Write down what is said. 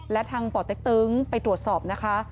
และทางป่อเต็กตึงไปตรวจสอบนะคะ